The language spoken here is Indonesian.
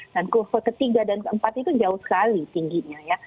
dan kurve ketiga dan keempat itu jauh sekali tingginya ya